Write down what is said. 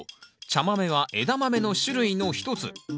茶豆はエダマメの種類の一つ。